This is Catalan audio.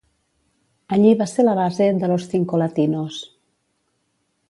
Allí va ser la base de Los Cinco Latinos.